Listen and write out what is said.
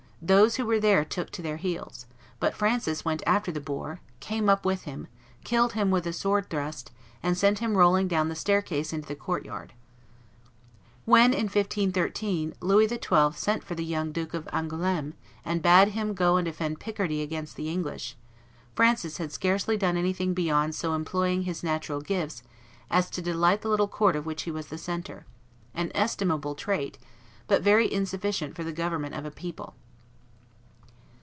Those who were there took to their heels; but Francis went after the boar, came up with him, killed him with a swordthrust, and sent him rolling down the staircase into the courtyard. When, in 1513, Louis XII. sent for the young Duke of Angouleme and bade him go and defend Picardy against the English, Francis had scarcely done anything beyond so employing his natural gifts as to delight the little court of which he was the centre; an estimable trait, but very insufficient for the government of a people.